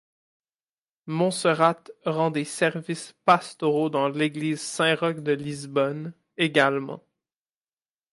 Monserrate rend des services pastoraux dans l'église Saint-Roch de Lisbonne, également.